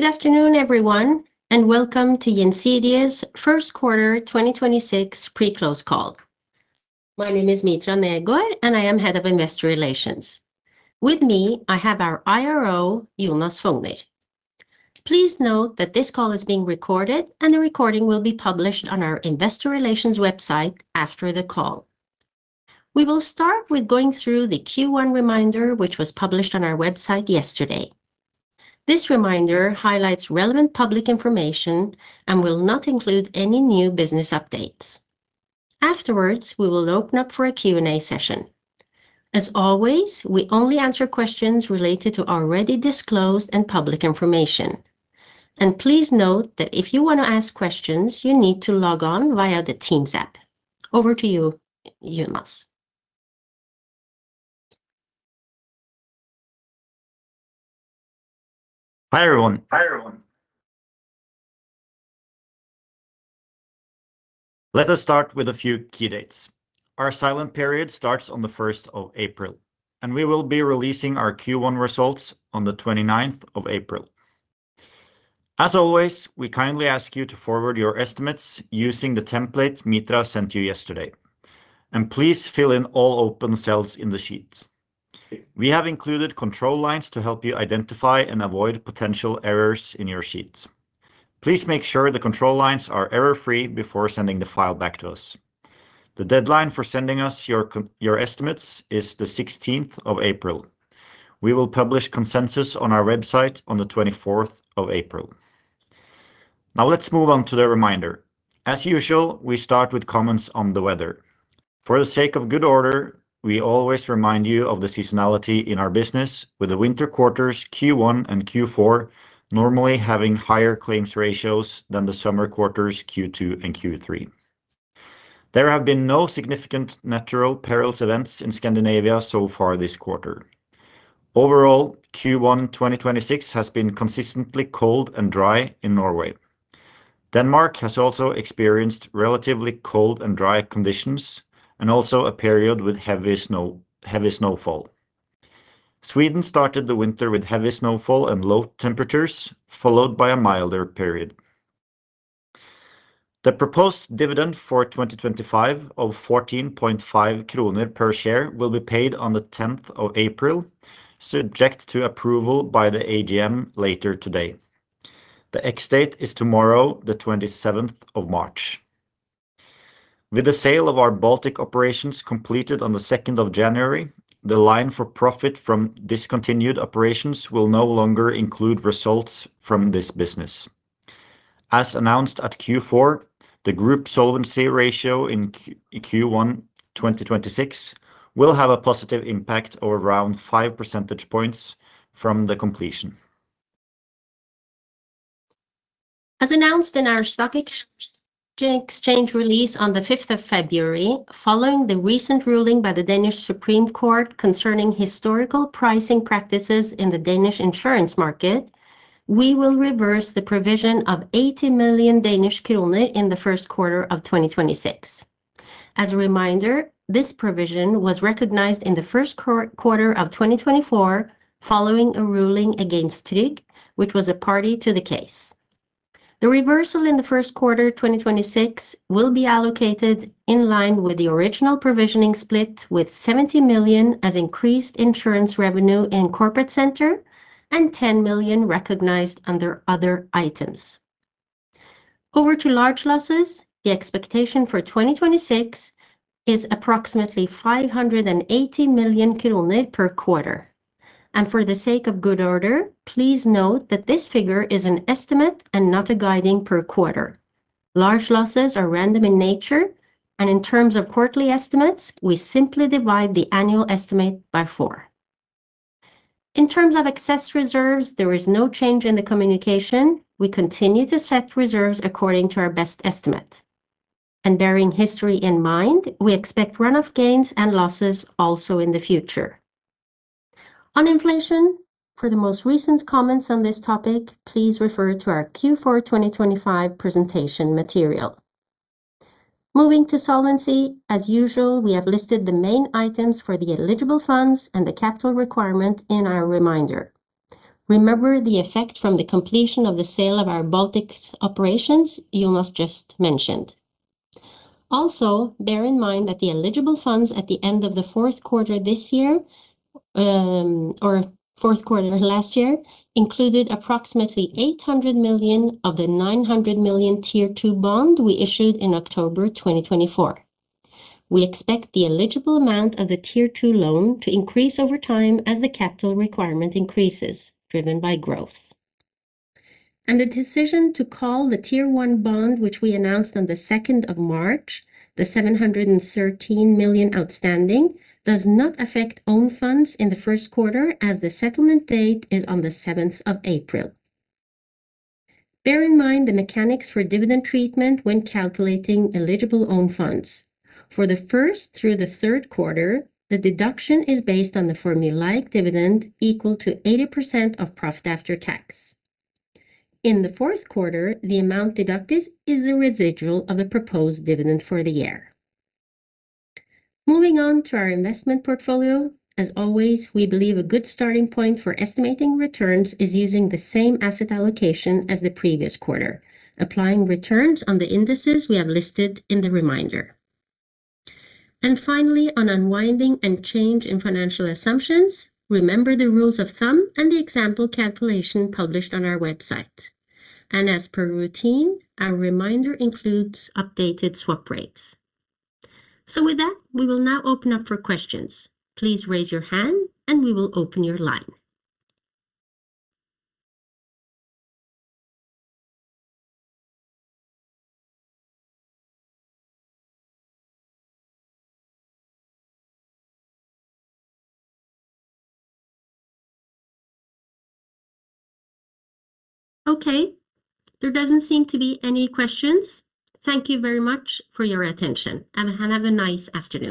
Good afternoon, everyone, and welcome to Gjensidige's Q1 2026 pre-close call. My name is Mitra Negård, and I am Head of Investor Relations. With me, I have our IRO, Jonas Fougner. Please note that this call is being recorded, and the recording will be published on our investor relations website after the call. We will start with going through the Q1 reminder, which was published on our website yesterday. This reminder highlights relevant public information and will not include any new business updates. Afterwards, we will open up for a Q&A session. As always, we only answer questions related to already disclosed and public information. Please note that if you wanna ask questions, you need to log on via the Teams app. Over to you, Jonas. Hi, everyone. Hi, everyone. Let us start with a few key dates. Our silent period starts on the first of April, and we will be releasing our Q1 results on the twenty-ninth of April. As always, we kindly ask you to forward your estimates using the template Mitra sent you yesterday. Please fill in all open cells in the sheet. We have included control lines to help you identify and avoid potential errors in your sheet. Please make sure the control lines are error-free before sending the file back to us. The deadline for sending us your estimates is the sixteenth of April. We will publish consensus on our website on the twenty-fourth of April. Now let's move on to the reminder. As usual, we start with comments on the weather. For the sake of good order, we always remind you of the seasonality in our business with the winter quarters Q1 and Q4 normally having higher claims ratio than the summer quarters Q2 and Q3. There have been no significant natural perils events in Scandinavia so far this quarter. Overall, Q1 2026 has been consistently cold and dry in Norway. Denmark has also experienced relatively cold and dry conditions, and also a period with heavy snow, heavy snowfall. Sweden started the winter with heavy snowfall and low temperatures, followed by a milder period. The proposed dividend for 2025 of 14.5 kroner per share will be paid on the 10th of April, subject to approval by the AGM later today. The ex-date is tomorrow, the 27th of March. With the sale of our Baltic operations completed on the second of January, the line for profit from discontinued operations will no longer include results from this business. As announced at Q4, the group solvency ratio in Q1 2026 will have a positive impact of around five percentage points from the completion. As announced in our stock exchange release on the 5th of February, following the recent ruling by the Supreme Court of Denmark concerning historical pricing practices in the Danish insurance market, we will reverse the provision of 80 million Danish kroner in the Q1 of 2026. As a reminder, this provision was recognized in the Q1 of 2024 following a ruling against Tryg, which was a party to the case. The reversal in the Q1 of 2026 will be allocated in line with the original provisioning split, with 70 million as increased insurance revenue in corporate center and 10 million recognized under other items. Over to large losses, the expectation for 2026 is approximately 580 million per quarter. For the sake of good order, please note that this figure is an estimate and not a guiding per quarter. Large losses are random in nature, and in terms of quarterly estimates, we simply divide the annual estimate by four. In terms of excess reserves, there is no change in the communication. We continue to set reserves according to our best estimate. Bearing history in mind, we expect runoff gains and losses also in the future. On inflation, for the most recent comments on this topic, please refer to our Q4 2025 presentation material. Moving to solvency, as usual, we have listed the main items for the eligible funds and the capital requirement in our reminder. Remember the effect from the completion of the sale of our Baltic operations Jonas just mentioned. Also, bear in mind that the eligible own funds at the end of the Q4 this year or Q4 last year included approximately 800 million of the 900 million Tier 2 bond we issued in October 2024. We expect the eligible amount of the Tier 2 bond to increase over time as the capital requirement increases, driven by growth. The decision to call the Tier 1 bond, which we announced on the second of March, the 713 million outstanding, does not affect own funds in the Q1, as the settlement date is on the seventh of April. Bear in mind the mechanics for dividend treatment when calculating eligible own funds. For the first through the Q3, the deduction is based on the formulaic dividend equal to 80% of profit after tax. In the Q4, the amount deducted is the residual of the proposed dividend for the year. Moving on to our investment portfolio, as always, we believe a good starting point for estimating returns is using the same asset allocation as the previous quarter, applying returns on the indices we have listed in the reminder. Finally, on unwinding and change in financial assumptions, remember the rules of thumb and the example calculation published on our website. As per routine, our reminder includes updated swap rates. With that, we will now open up for questions. Please raise your hand, and we will open your line. Okay, there doesn't seem to be any questions. Thank you very much for your attention, and have a nice afternoon.